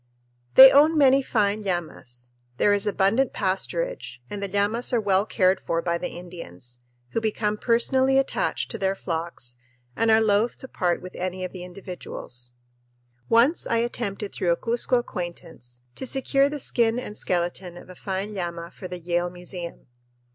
They own many fine llamas. There is abundant pasturage and the llamas are well cared for by the Indians, who become personally attached to their flocks and are loath to part with any of the individuals. Once I attempted through a Cuzco acquaintance to secure the skin and skeleton of a fine llama for the Yale Museum.